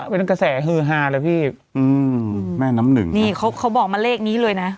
เป็นกระแสฮือฮาเลยพี่อืมแม่น้ำหนึ่งนี่เขาเขาบอกมาเลขนี้เลยนะ